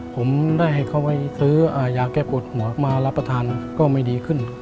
ผมได้ให้เขาไปซื้อยาแก้ปวดหัวมารับประทานก็ไม่ดีขึ้น